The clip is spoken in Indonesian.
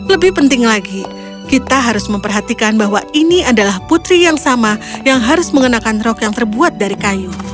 lebih penting lagi kita harus memperhatikan bahwa ini adalah putri yang sama yang harus mengenakan rok yang terbuat dari kayu